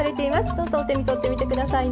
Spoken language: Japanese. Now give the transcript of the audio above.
どうぞお手に取ってみて下さいね。